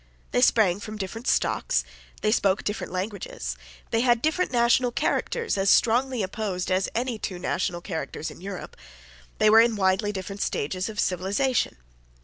They sprang from different stocks. They spoke different languages. They had different national characters as strongly opposed as any two national characters in Europe. They were in widely different stages of civilisation.